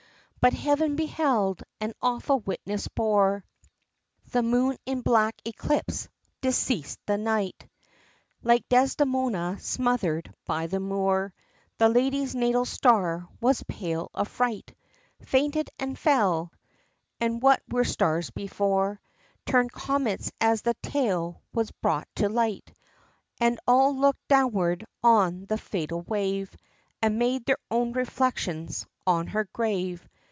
XV. But Heaven beheld, and awful witness bore, The moon in black eclipse deceased that night, Like Desdemona smother'd by the Moor The lady's natal star with pale afright Fainted and fell and what were stars before, Turn'd comets as the tale was brought to light; And all looked downward on the fatal wave, And made their own reflections on her grave.